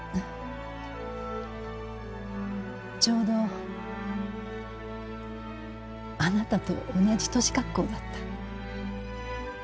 ちょうどあなたと同じ年格好だった。